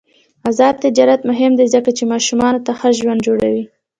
آزاد تجارت مهم دی ځکه چې ماشومانو ته ښه ژوند جوړوي.